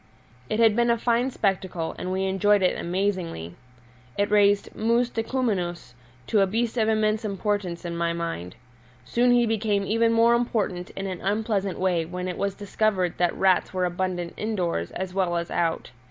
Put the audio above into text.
It had been a fine spectacle, and we enjoyed it amazingly; it raised Mus decumanus to a beast of immense importance in my mind. Soon he became even more important in an unpleasant way when it was discovered that rats were abundant indoors as well as out.